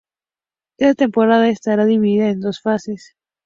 Esta temporada estará dividida en dos fases.